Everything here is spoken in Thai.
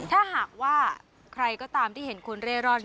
ถ้าหากว่าใครก็ตามที่เห็นคนเร่ร่อน